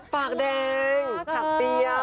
ปากแดงถักเปียร์